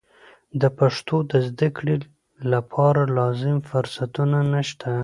د پښتو د زده کړې لپاره لازم فرصتونه نشته.